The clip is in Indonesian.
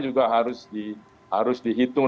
juga harus dihitung